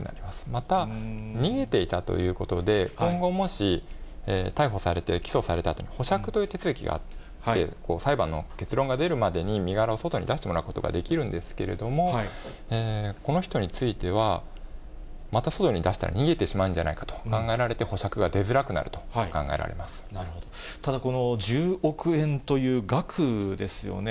また、逃げていたということで、今後もし、逮捕されて、起訴されたとき、保釈という手続きがあって、裁判の結論が出るまでに身柄を外に出してもらうことができるんですけれども、この人については、また外に出したら逃げてしまうんじゃないかと考えられて、保釈がただ、この１０億円という額ですよね。